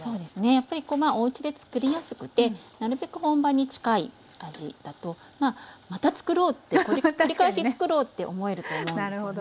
やっぱりおうちで作りやすくてなるべく本場に近い味だとまあまた作ろうって繰り返し作ろうって思えると思うんですよね。